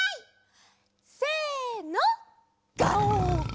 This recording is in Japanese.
せの。